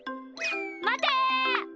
まて！